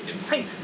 はい。